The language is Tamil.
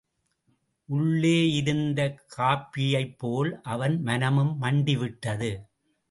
உள்ளே இருந்த காபியைப்போல், அவன் மனமும் மண்டிவிட்டது.